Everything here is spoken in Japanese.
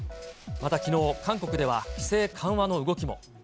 またきのう、韓国では、規制緩和の動きも。